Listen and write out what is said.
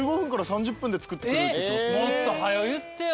もっと早う言ってよ。